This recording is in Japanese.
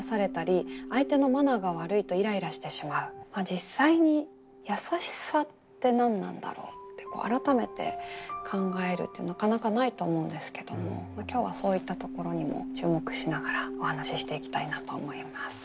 実際にやさしさって何なんだろうって改めて考えるってなかなかないと思うんですけども今日はそういったところにも注目しながらお話ししていきたいなと思います。